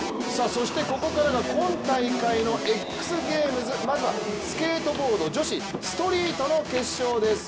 そして今回のＸＧＡＭＥＳ、まずはスケートボード女子ストリートの決勝です。